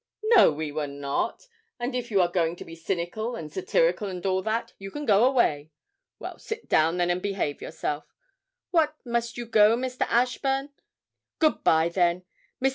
'No, we were not; and if you are going to be cynical, and satirical, and all that, you can go away. Well, sit down, then, and behave yourself. What, must you go, Mr. Ashburn? Good bye, then. Mr.